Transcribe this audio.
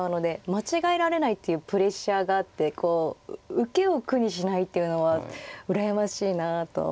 間違えられないっていうプレッシャーがあってこう受けを苦にしないっていうのは羨ましいなと。